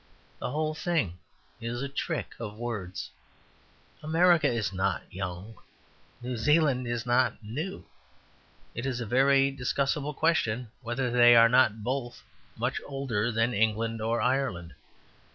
The whole thing is a trick of words. America is not young, New Zealand is not new. It is a very discussable question whether they are not both much older than England or Ireland.